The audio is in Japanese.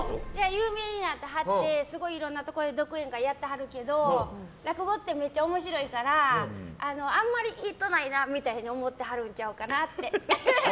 有名にならはってすごいいろんなところで独演会やってはるけど、落語ってめっちゃ面白いからあんまり言うたないなと思ってはるんちゃうかなって。